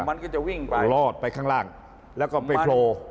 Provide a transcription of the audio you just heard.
มันก็จะวิ่งไปรอดไปข้างล่างแล้วก็ไม่โผล่